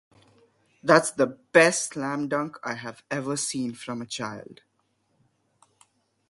That's the best slam dunk I have ever seen from a child.